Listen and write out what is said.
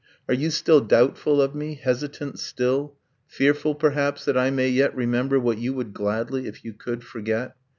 Are you still doubtful of me hesitant still, Fearful, perhaps, that I may yet remember What you would gladly, if you could, forget?